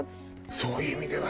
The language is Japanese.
そういう意味では。